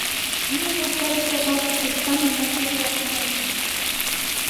Юмо ваштареш шогалше тӱшка мемнам кошартынеже.